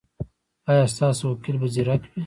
ایا ستاسو وکیل به زیرک وي؟